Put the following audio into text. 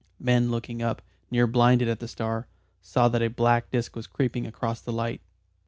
Men looking up, near blinded, at the star, saw that a black disc was creeping across the light.